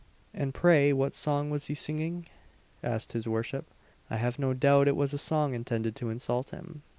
"And pray what song was he singing?" asked his worship; "I have no doubt it was a song intended to insult him."